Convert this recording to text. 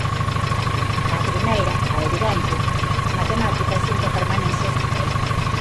A primeira, a evidente, as matemáticas din que a permanencia está feita.